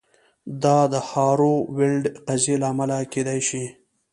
دا د هارو ویلډ قضیې له امله کیدای شي